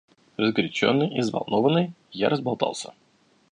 Разгоряченный и взволнованный, я разболтался.